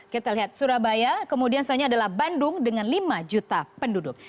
kita lihat surabaya kemudian selanjutnya adalah bandung dengan lima juta penduduk